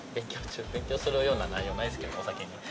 勉強するような内容ないですけどお酒に。